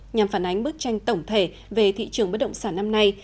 nhằm phản ánh bức tranh tổng thể về thị trường bất động sản năm nay